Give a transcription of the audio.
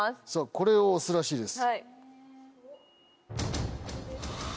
これを押すらしいです。